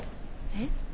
えっ？